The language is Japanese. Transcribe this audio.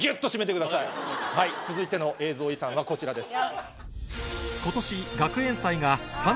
続いての映像遺産はこちらです。